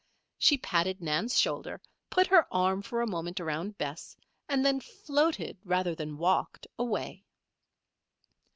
She patted Nan's shoulder, put her arm for a moment around Bess, and then floated rather than walked away.